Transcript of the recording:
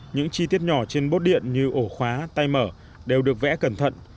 những chi tiết nhỏ trên bốt điện như ổ khóa tay mở đều được vẽ cẩn thận